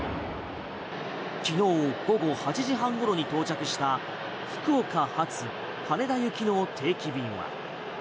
昨日８時半頃に到着した福岡発羽田行きの定期便は。